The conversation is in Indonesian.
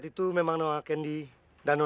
tidak ada yang bisa diambil